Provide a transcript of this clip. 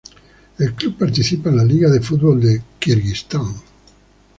El club participa en la Liga de fútbol de Kirguistán.